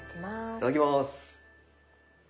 いただきます。